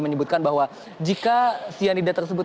menyebutkan bahwa jika cyanida tersebut